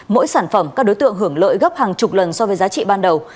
mỗi sản phẩm các đối tượng hưởng lợi gấp hàng chục lần so với giá trị ban đầu